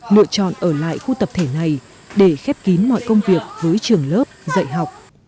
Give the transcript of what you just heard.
lựa chọn ở lại khu tập thể này để khép kín mọi công việc với trường lớp dạy học